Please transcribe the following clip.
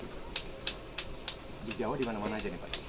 di jawa di mana mana aja nih pak